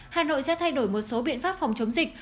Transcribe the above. hà nội sẽ thay đổi một số biện pháp phòng chống dịch